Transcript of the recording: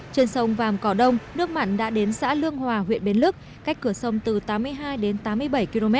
trên sông vàm cỏ đông nước mặn đã đến xã lương hòa huyện bến lức cách cửa sông từ tám mươi hai đến tám mươi bảy km